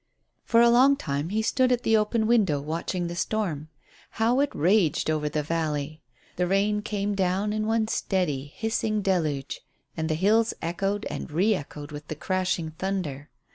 For a long time he stood at the open window watching the storm. How it raged over the valley! The rain came down in one steady, hissing deluge, and the hills echoed and re echoed with the crashing thunder.